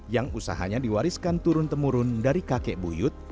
yang usahanya diwariskan turun temurun dari kakek buyut